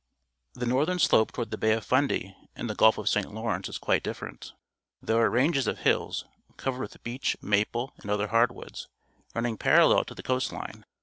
JThe northern slope toward the Bay of Fundy and the Gulf of St. Lawrence is quite different. There are ranges of hills, covered with beech, maple, and other hardwoods, running parallel to the coast line.